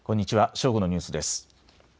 正午のニュースです。